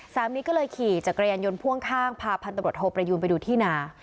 สามีก็เลยขี่จักรยานยนต์พ่วงข้างพาพันตำรวจโทประยูนไปดูที่นา